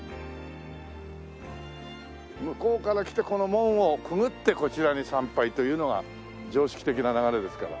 向こうから来てこの門をくぐってこちらに参拝というのが常識的な流れですから。